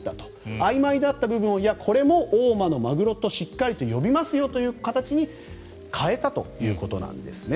あいまいだった部分をこれも大間のマグロとしっかりと呼びますよという形に変えたということなんですね。